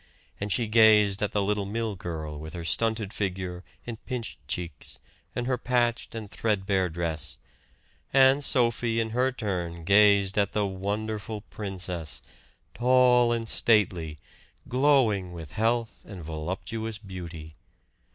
And she gazed at the little mill girl with her stunted figure and pinched cheeks, and her patched and threadbare dress; and Sophie, in her turn, gazed at the wonderful princess, tall and stately, glowing with health and voluptuous beauty.